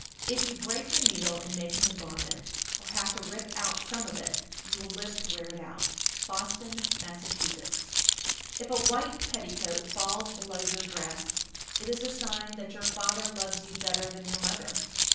If you break your needle in making a garment, or have to rip out some of it, you will live to wear it out. Boston, Mass. 1391. If a white petticoat falls below your dress, it is a sign that your father loves you better than your mother.